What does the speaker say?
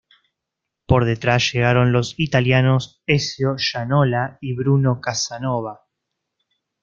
Por detrás llegaron los italianos Ezio Gianola y Bruno Casanova.